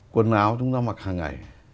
quần áo chúng ta mặc hàng ngày